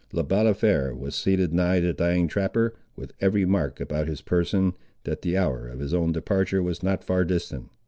Le Balafré was seated nigh the dying trapper, with every mark about his person, that the hour of his own departure was not far distant.